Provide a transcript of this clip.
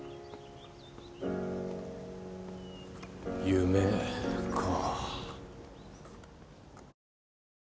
夢か。